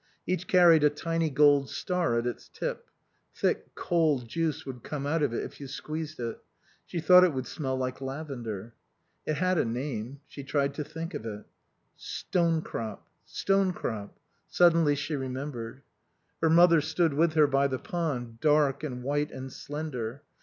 Each carried a tiny gold star at its tip. Thick, cold juice would come out of it if you squeezed it. She thought it would smell like lavender. It had a name. She tried to think of it. Stonecrop. Stonecrop. Suddenly she remembered. Her mother stood with her by the pond, dark and white and slender.